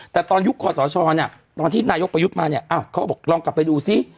แต่ตอนยุคคอสชเนี่ยตอนที่นายกประยุทธ์มาเนี่ยเขาก็บอกลองกลับไปดูซิ